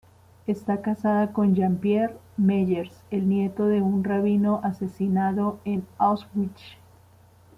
Está casada con Jean-Pierre Meyers, el nieto de un rabino asesinado en Auschwitz.